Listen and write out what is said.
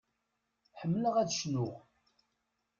Ḥemmleɣ ad cnuɣ.